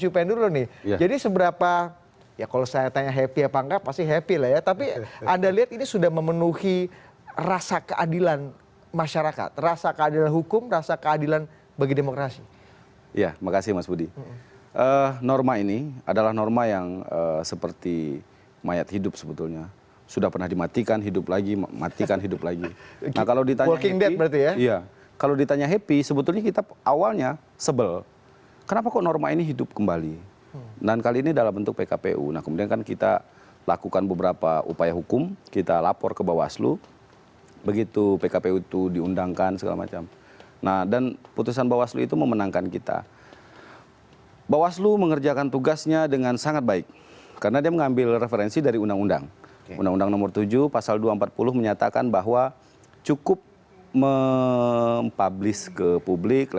produk perundang undang di bawah undang undang itu